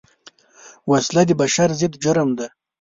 وسله د بشر ضد جرم ده